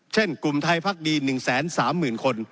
เช่นกลุ่มไทยพักดี๑๓๐๐๐คน